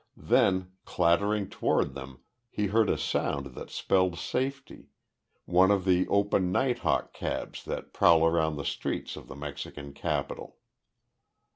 Then, clattering toward them, he heard a sound that spelled safety one of the open nighthawk cabs that prowl around the streets of the Mexican capital.